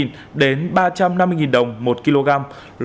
loại nhuộm đỏ siêu thị